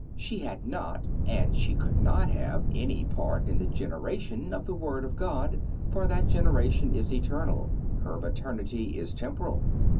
She had not, and she could not have, any part in the generation of the Word of God, for that generation is eternal; her maternity is temporal.